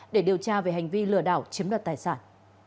để điều tra về hành vi lừa đảo chiếm đoạt tài sản